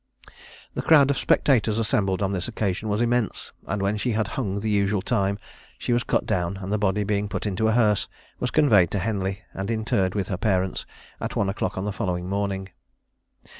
The crowd of spectators assembled on this occasion was immense; and when she had hung the usual time she was cut down, and the body being put into a hearse, was conveyed to Henley, and interred with her parents, at one o'clock on the following morning.